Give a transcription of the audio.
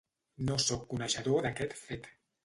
No soc coneixedor d'aquest fet.